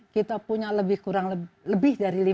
kita punya lebih kurang lebih dari lima ratus etnik